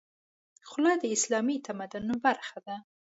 خولۍ د اسلامي تمدن برخه ده.